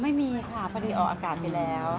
ไม่มีค่ะพอดีออกอากาศไปแล้ว